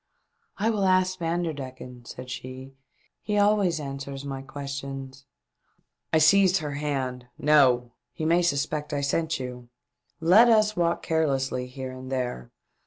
" I will ask Vanderdecken," said she, " he always answers my questions." I seized her hand. " No! He may sus pect I sent you. Let us walk carelessly here and there.